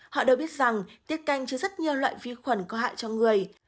họ đều biết rằng tiết canh chứa rất nhiều loại vi khuẩn có hại cho người